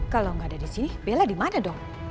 kalau gak ada di sini bella dimana dong